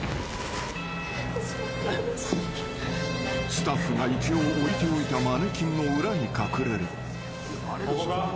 ［スタッフが一応置いておいたマネキンの裏に隠れる］